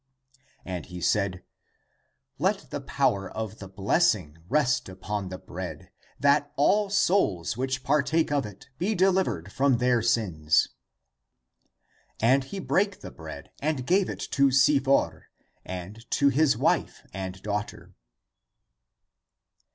And he said, " Let the power of the blessing rest upon the bread, that all souls which partake of it be delivered from their sins." And he brake the bread and gave it to Sifor and to his wife and daughter.